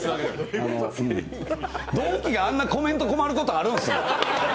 同期があんなコメント困ることあるんすか。